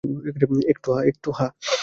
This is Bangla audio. একটু, হ্যাঁ।